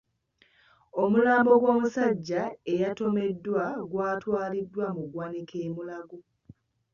Omulambo gw'omusajja eyatomeddwa gwatwaliddwa mu ggwanika e Mulago.